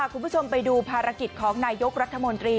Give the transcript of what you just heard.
คุณผู้ชมไปดูภารกิจของนายกรัฐมนตรี